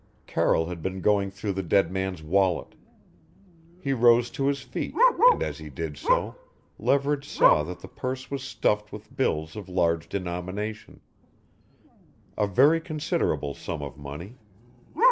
Carroll had been going through the dead man's wallet. He rose to his feet, and as he did so Leverage saw that the purse was stuffed with bills of large denomination a very considerable sum of money.